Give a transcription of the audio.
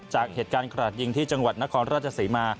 จากเหตุการณ์กระดยิงที่จังหวัดนครราชศรีมา